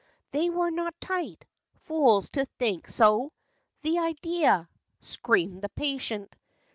"They were not tight! Fools to think so ! The idea! " screamed the patient.